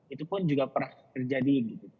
itu pun juga pernah terjadi